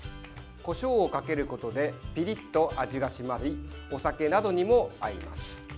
こしょうをかけることでピリッと味が締まりお酒などにも合います。